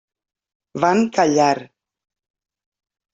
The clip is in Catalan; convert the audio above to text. Van callar.